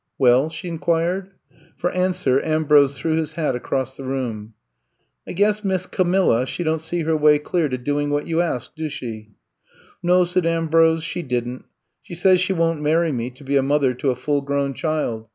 Well?" she inquired. For answer Ambrose threw his hat across the room. I guess Miss Camilla she don't see her way clear to doing what you ask, do shel" No, '' said Ambrose, she did n 't. She says she won 't marry me to be a mother to a full grown child.